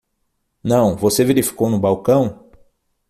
Não, você verificou no balcão?